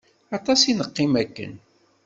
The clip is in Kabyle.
Aṭas i neqqim akken.